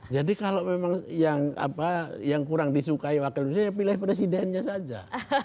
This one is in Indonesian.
jadi kalau memang yang kurang disukai wakil presiden ya pilih presidennya saja